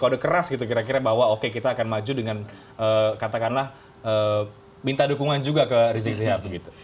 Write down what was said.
kode keras gitu kira kira bahwa oke kita akan maju dengan katakanlah minta dukungan juga ke rizik sihab begitu